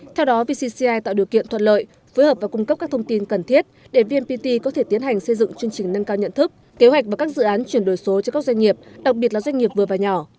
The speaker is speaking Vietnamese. theo đó vcci tạo điều kiện thuận lợi phối hợp và cung cấp các thông tin cần thiết để vnpt có thể tiến hành xây dựng chương trình nâng cao nhận thức kế hoạch và các dự án chuyển đổi số cho các doanh nghiệp đặc biệt là doanh nghiệp vừa và nhỏ